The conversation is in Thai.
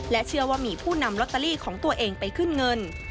เชื่อว่ามีผู้นำลอตเตอรี่ของตัวเองไปขึ้นเงิน